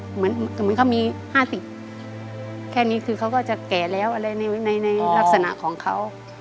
เหมือนเขามี๕๐แค่นี้คือเขาก็จะแก่แล้วอะไรในลักษณะของเขา